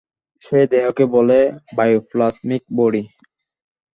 সেই দেহকে বলে বাইওপ্লাজমিক বডি।